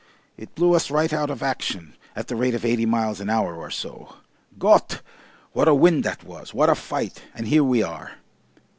It blew us right out of action at the rate of eighty miles an hour or so. Gott! what a wind that was! What a fight! And here we are!"